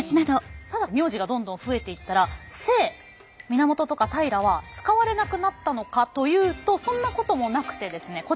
ただ名字がどんどん増えていったら姓「源」とか「平」は使われなくなったのかというとそんなこともなくてですね。